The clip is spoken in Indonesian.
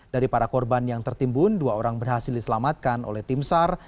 dari para korban yang tertimbun dua orang berhasil diselamatkan oleh tim sar